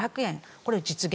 これを実現。